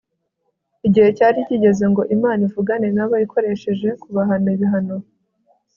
Igihe cyari kigeze ngo Imana ivugane nabo ikoresheje kubahana ibihano